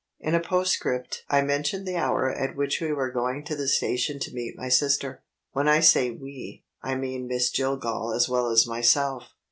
In a postscript I mentioned the hour at which we were going to the station to meet my sister. When I say "we," I mean Miss Jillgall as well as myself.